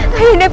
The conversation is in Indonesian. rai kian santang